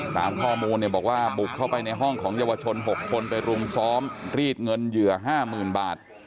ตามข้อมูลบอกว่าบุกเข้าไปในห้องของเยาวชน๖คนไปรุมซ้อมรีดเงินเหยื่อ๕๐๐๐บาท